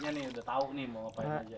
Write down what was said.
kalau kemarau panjang ngapain aja